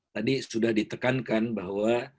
tadi sudah ditekankan bahwa